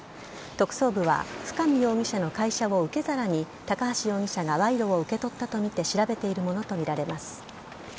特捜部は深見容疑者の会社を受け皿に高橋容疑者が賄賂を受け取ったとみて調べているとみられます。